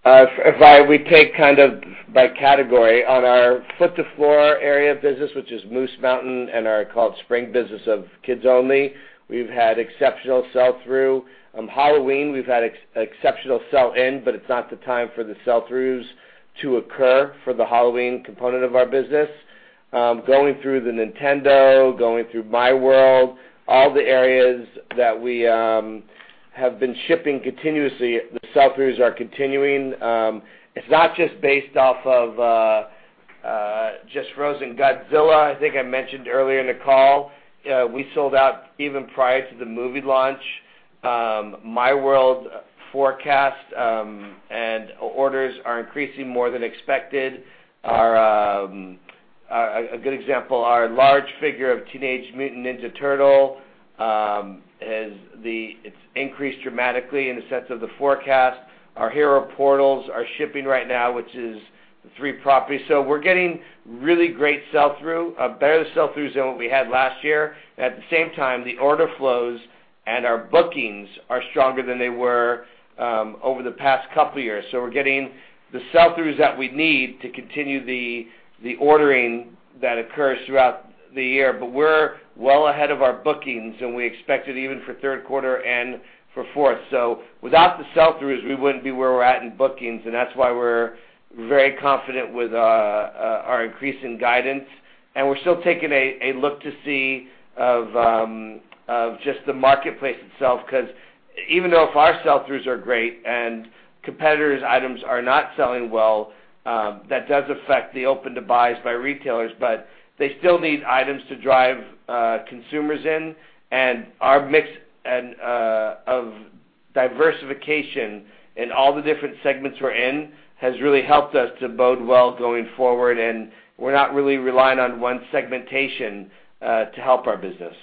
If I would take kind of by category, on our foot to floor area of business, which is Moose Mountain and our called Spring business of Kids Only!, we've had exceptional sell-through. On Halloween, we've had exceptional sell-in, it's not the time for the sell-throughs to occur for the Halloween component of our business. Going through the Nintendo, going through miWorld, all the areas that we have been shipping continuously, the sell-throughs are continuing. It's not just based off of just Frozen. Godzilla, I think I mentioned earlier in the call, we sold out even prior to the movie launch. miWorld forecast and orders are increasing more than expected. A good example, our large figure of Teenage Mutant Ninja Turtle, it's increased dramatically in the sense of the forecast. Our Hero Portals are shipping right now, which is the three properties. We're getting really great sell-through, better sell-throughs than what we had last year. At the same time, the order flows and our bookings are stronger than they were over the past couple of years. We're getting the sell-throughs that we need to continue the ordering that occurs throughout the year. We're well ahead of our bookings, and we expect it even for third quarter and for fourth. Without the sell-throughs, we wouldn't be where we're at in bookings, and that's why we're very confident with our increase in guidance. We're still taking a look to see of just the marketplace itself, because even though if our sell-throughs are great and competitors' items are not selling well, that does affect the open-to-buys by retailers. They still need items to drive consumers in, our mix of diversification in all the different segments we're in has really helped us to bode well going forward, we're not really relying on one segmentation to help our business.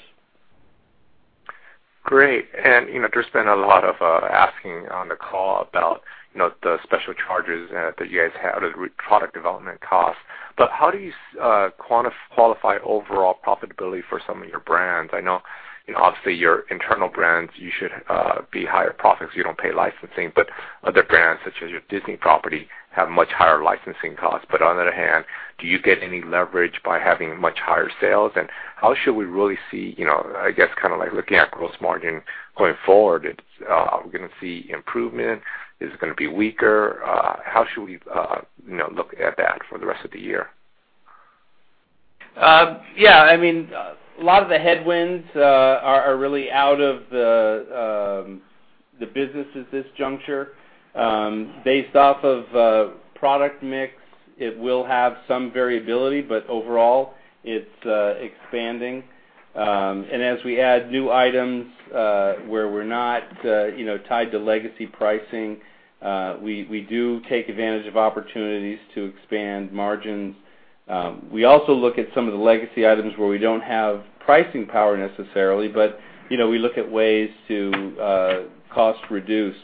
Great. There's been a lot of asking on the call about the special charges that you guys had with product development costs. How do you qualify overall profitability for some of your brands? I know, obviously, your internal brands, you should be higher profits, you don't pay licensing, other brands, such as your Disney property, have much higher licensing costs. On the other hand, do you get any leverage by having much higher sales? How should we really see, I guess, kind of like looking at gross margin going forward, are we going to see improvement? Is it going to be weaker? How should we look at that for the rest of the year? A lot of the headwinds are really out of the business at this juncture. Based off of product mix, it will have some variability, overall, it's expanding. As we add new items, where we're not tied to legacy pricing, we do take advantage of opportunities to expand margins. We also look at some of the legacy items where we don't have pricing power necessarily, we look at ways to cost reduce.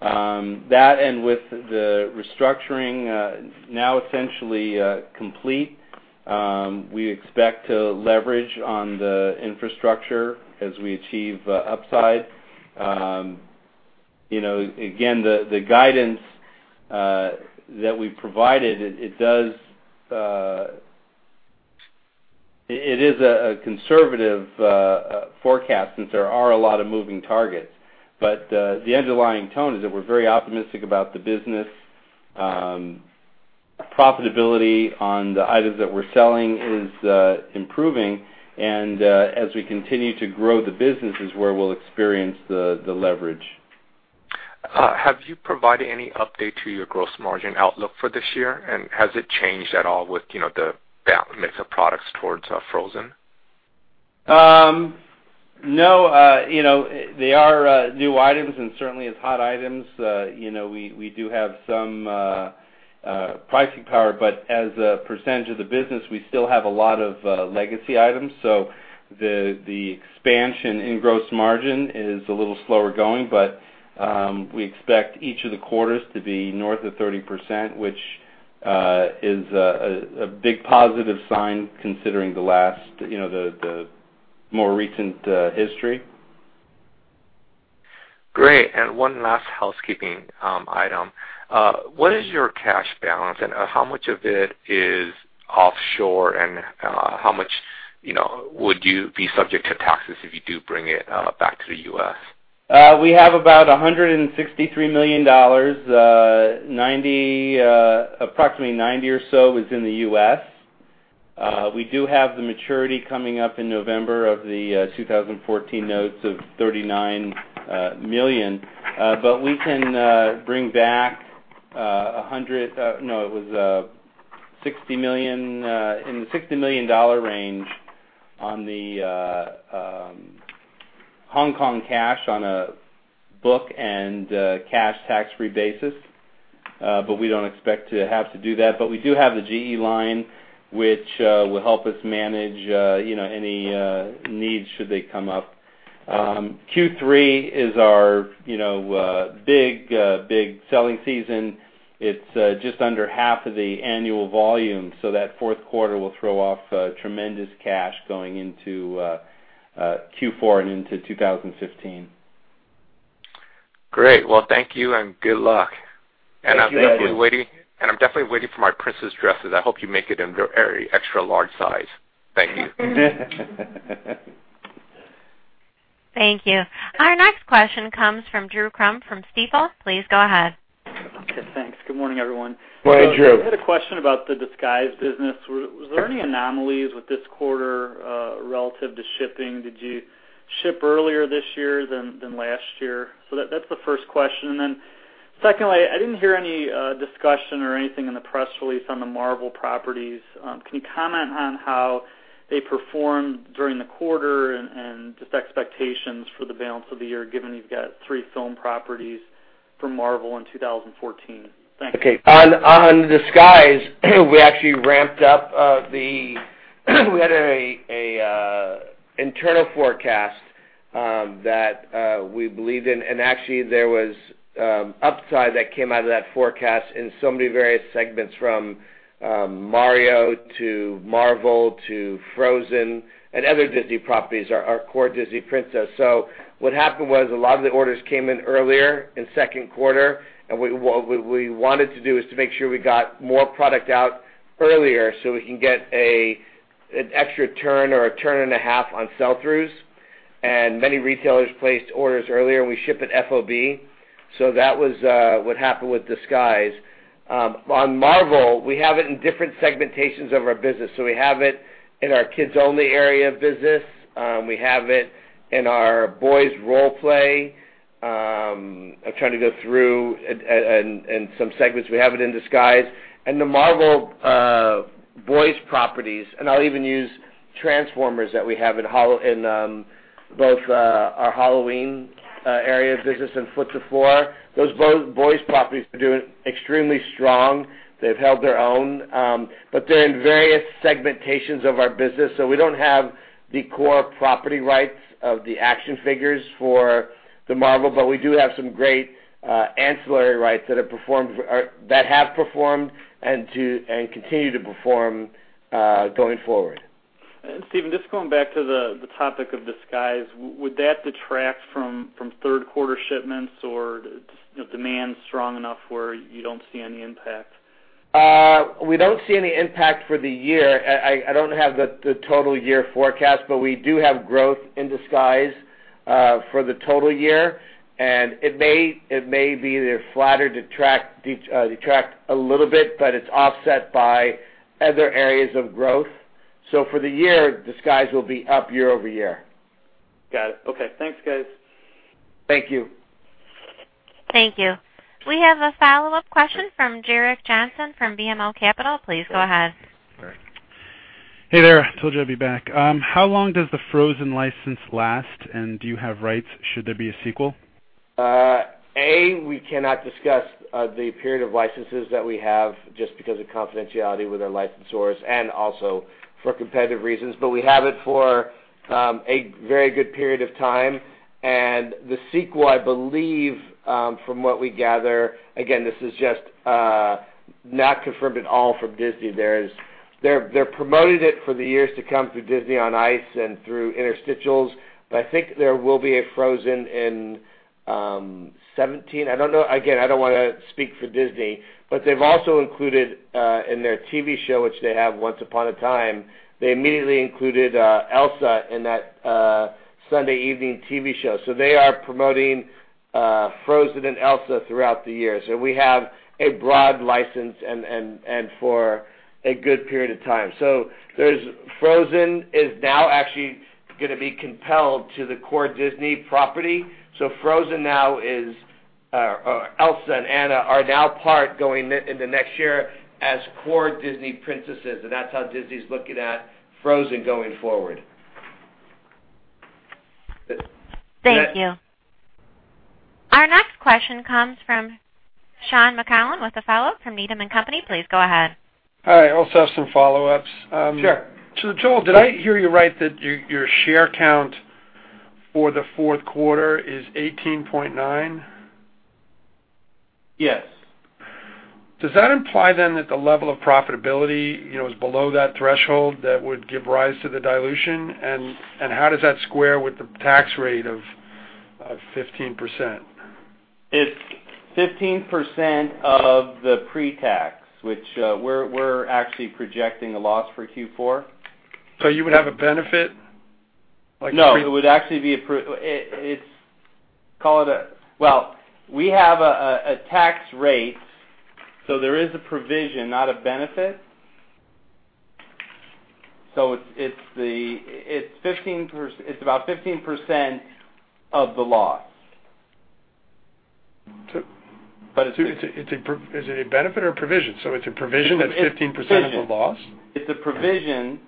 That, with the restructuring now essentially complete, we expect to leverage on the infrastructure as we achieve upside. Again, the guidance that we provided, it is a conservative forecast since there are a lot of moving targets. The underlying tone is that we're very optimistic about the business. Profitability on the items that we're selling is improving and as we continue to grow the business is where we'll experience the leverage. Have you provided any update to your gross margin outlook for this year? Has it changed at all with the balance mix of products towards Frozen? No. They are new items and certainly as hot items, we do have some pricing power. As a percentage of the business, we still have a lot of legacy items. The expansion in gross margin is a little slower going, but we expect each of the quarters to be north of 30%, which is a big positive sign considering the more recent history. Great. One last housekeeping item. What is your cash balance and how much of it is offshore and how much would you be subject to taxes if you do bring it back to the U.S.? We have about $163 million. Approximately $90 million or so is in the U.S. We do have the maturity coming up in November of the 2014 notes of $39 million. We can bring back in the $60 million range on the Hong Kong cash on a book and cash tax-free basis. We don't expect to have to do that. We do have the GE line, which will help us manage any needs should they come up. Q3 is our big selling season. It's just under half of the annual volume, that fourth quarter will throw off tremendous cash going into Q4 and into 2015. Great. Well, thank you and good luck. Thank you, Eddie. I'm definitely waiting for my princess dresses. I hope you make it in the very extra large size. Thank you. Thank you. Our next question comes from Drew Crum from Stifel. Please go ahead. Okay, thanks. Good morning, everyone. Morning, Drew. I had a question about the Disguise business. Sure. Was there any anomalies with this quarter relative to shipping? Did you ship earlier this year than last year? That's the first question. Secondly, I didn't hear any discussion or anything in the press release on the Marvel properties. Can you comment on how they performed during the quarter and just expectations for the balance of the year, given you've got three film properties from Marvel in 2014? Thanks. Okay. On Disguise, we actually ramped up. We had an internal forecast that we believed in, and actually there was upside that came out of that forecast in so many various segments, from Mario to Marvel to Frozen and other Disney properties, our core Disney Princess. What happened was, a lot of the orders came in earlier in second quarter, and what we wanted to do is to make sure we got more product out earlier so we can get an extra turn or a turn and a half on sell-throughs. Many retailers placed orders earlier. We ship at FOB. That was what happened with Disguise. On Marvel, we have it in different segmentations of our business. We have it in our Kids Only! area of business. We have it in our boys role play. I'm trying to go through. Some segments, we have it in Disguise. The Marvel boys properties, and I'll even use Transformers that we have in both our Halloween area of business and foot to floor. Those boys properties are doing extremely strong. They've held their own. They're in various segmentations of our business, so we don't have the core property rights of the action figures for the Marvel, but we do have some great ancillary rights that have performed and continue to perform going forward. Stephen, just going back to the topic of Disguise, would that detract from third-quarter shipments, or demand's strong enough where you don't see any impact? We don't see any impact for the year. I don't have the total year forecast, we do have growth in Disguise. For the total year, it may be they're flattered to track a little bit, but it's offset by other areas of growth. For the year, Disguise will be up year-over-year. Got it. Okay. Thanks, guys. Thank you. Thank you. We have a follow-up question from Gerrick Johnson from BMO Capital. Please go ahead. All right. Hey there. Told you I'd be back. How long does the Frozen license last, and do you have rights should there be a sequel? We cannot discuss the period of licenses that we have just because of confidentiality with our licensors and also for competitive reasons. We have it for a very good period of time, and the sequel, I believe, from what we gather, again, this is just not confirmed at all from Disney. They're promoting it for the years to come through Disney On Ice and through interstitials, I think there will be a Frozen in 2017. I don't know. Again, I don't want to speak for Disney, they've also included in their TV show, which they have, "Once Upon a Time," they immediately included Elsa in that Sunday evening TV show. They are promoting Frozen and Elsa throughout the years. We have a broad license and for a good period of time. Frozen is now actually going to be compelled to the core Disney property. Elsa and Anna are now part going in the next year as core Disney Princesses, and that's how Disney's looking at Frozen going forward. Thank you. Our next question comes from Sean McGowan with a follow-up from Needham & Company. Please go ahead. Hi. I also have some follow-ups. Sure. Joel, did I hear you right that your share count for the fourth quarter is 18.9? Yes. Does that imply then that the level of profitability is below that threshold that would give rise to the dilution? How does that square with the tax rate of 15%? It's 15% of the pre-tax, which we're actually projecting a loss for Q4. You would have a benefit. No, it would actually be. Well, we have a tax rate, there is a provision, not a benefit. It's about 15% of the loss. So- But it's- Is it a benefit or a provision? It's a provision that's 15% of the loss? It's a provision.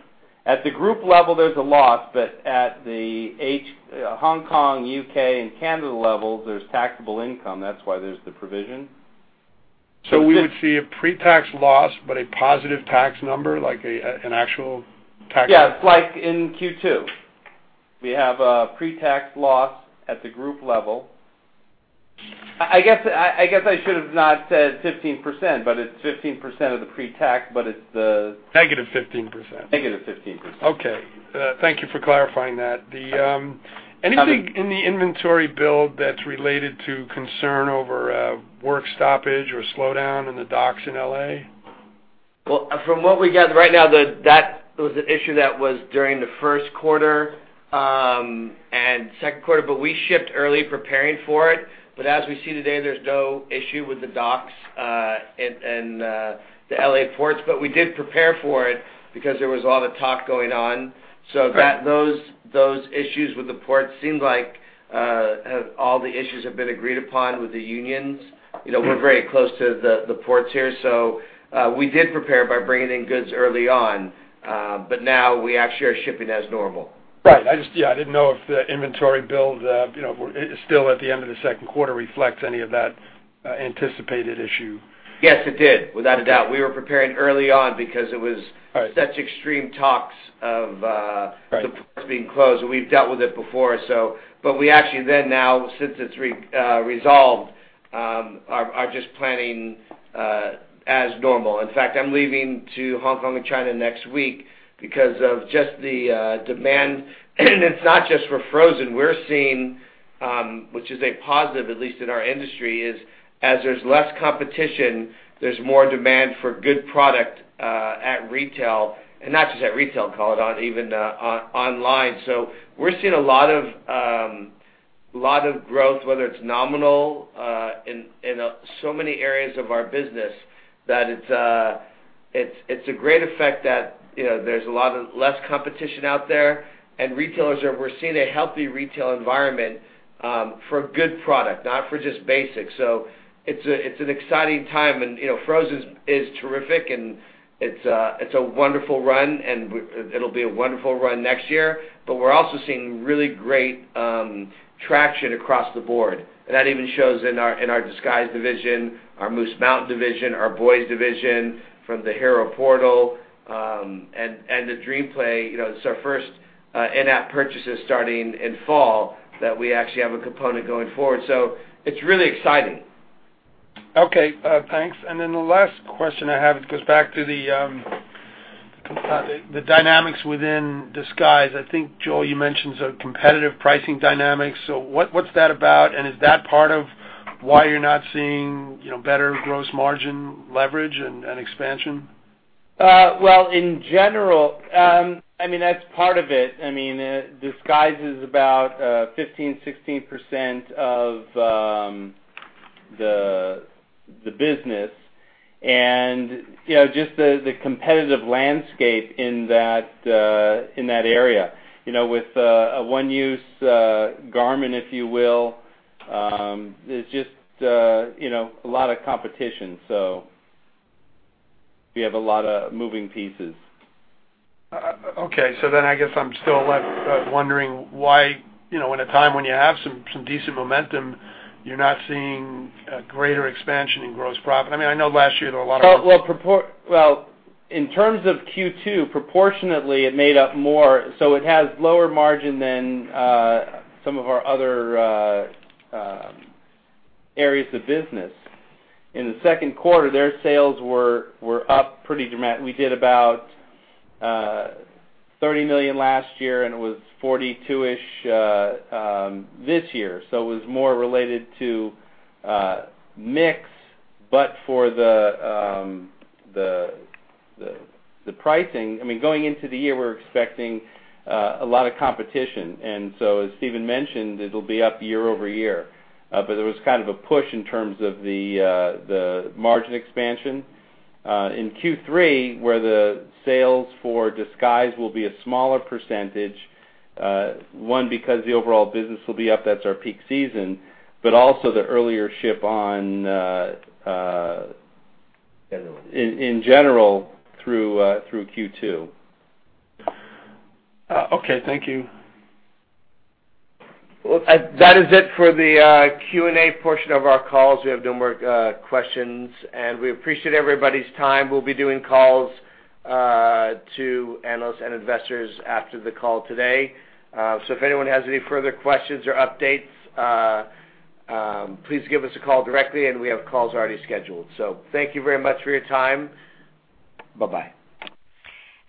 At the group level, there's a loss, but at the Hong Kong, U.K., and Canada levels, there's taxable income. That's why there's the provision. We would see a pre-tax loss, but a positive tax number. Yeah, it's like in Q2. We have a pre-tax loss at the group level. I guess I should have not said 15%, but it's 15% of the pre-tax. Negative 15%. Negative 15%. Okay. Thank you for clarifying that. Sure Anything in the inventory build that's related to concern over work stoppage or slowdown in the docks in L.A.? Well, from what we got right now, that was an issue that was during the first quarter and second quarter, we shipped early preparing for it. As we see today, there's no issue with the docks and the L.A. ports. We did prepare for it because there was a lot of talk going on. Right. Those issues with the port seemed like all the issues have been agreed upon with the unions. We're very close to the ports here, so we did prepare by bringing in goods early on. Now we actually are shipping as normal. Right. I didn't know if the inventory build, still at the end of the second quarter, reflects any of that anticipated issue. Yes, it did. Without a doubt. We were preparing early on because it was- Right such extreme talks of- Right the ports being closed, and we've dealt with it before. We actually then now, since it's resolved, are just planning as normal. In fact, I'm leaving to Hong Kong and China next week because of just the demand, and it's not just for Frozen. We're seeing, which is a positive, at least in our industry, is as there's less competition, there's more demand for good product at retail, and not just at retail, call it on even online. We're seeing a lot of growth, whether it's nominal, in so many areas of our business that it's a great effect that there's a lot of less competition out there. We're seeing a healthy retail environment for good product, not for just basics. It's an exciting time, and Frozen is terrific, and it's a wonderful run, and it'll be a wonderful run next year, but we're also seeing really great traction across the board. That even shows in our Disguise division, our Moose Mountain division, our Boys division from the Hero Portal, and the DreamPlay. It's our first in-app purchases starting in fall that we actually have a component going forward. It's really exciting. Okay, thanks. The last question I have, it goes back to the dynamics within Disguise. I think, Joel, you mentioned some competitive pricing dynamics. What's that about, and is that part of why you're not seeing better gross margin leverage and expansion? In general, that's part of it. Disguise is about 15%, 16% of the business, and just the competitive landscape in that area with a one-use garment, if you will, is just a lot of competition. We have a lot of moving pieces. Okay. I guess I'm still left wondering why, at a time when you have some decent momentum, you're not seeing a greater expansion in gross profit. Well, in terms of Q2, proportionately, it made up more. It has lower margin than some of our other areas of business. In the second quarter, their sales were up pretty dramatically. We did about $30 million last year, and it was $42-ish this year. It was more related to mix, but for the pricing. Going into the year, we are expecting a lot of competition. As Stephen mentioned, it will be up year-over-year. There was kind of a push in terms of the margin expansion. In Q3, where the sales for Disguise will be a smaller percentage, one, because the overall business will be up, that's our peak season, but also the earlier ship in general through Q2. Okay. Thank you. Well, that is it for the Q&A portion of our calls. We have no more questions, and we appreciate everybody's time. We will be doing calls to analysts and investors after the call today. If anyone has any further questions or updates, please give us a call directly and we have calls already scheduled. Thank you very much for your time. Bye-bye.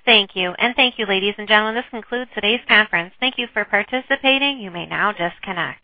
Thank you. Thank you, ladies and gentlemen. This concludes today's conference. Thank you for participating. You may now disconnect.